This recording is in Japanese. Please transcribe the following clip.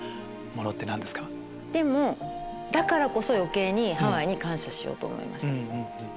だからこそ余計にハワイに感謝しようと思いました。